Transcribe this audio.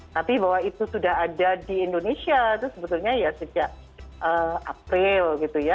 tapi bahwa itu sudah ada di indonesia itu sebetulnya ya sejak april gitu ya